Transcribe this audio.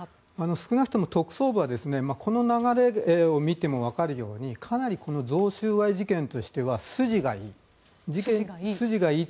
少なくとも特捜部はこの流れを見ても分かるようにかなり贈収賄事件としては筋がいい。